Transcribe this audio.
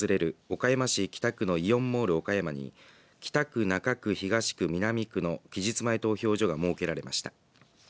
岡山市北区のイオンモール岡山に北区、中区、東区、南区の期日前投票所が設けられました。